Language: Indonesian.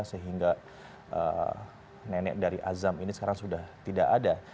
sehingga nenek dari azam ini sekarang sudah tidak ada